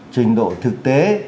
trình độ thực tế